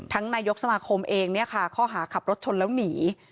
นายกสมาคมเองเนี่ยค่ะข้อหาขับรถชนแล้วหนี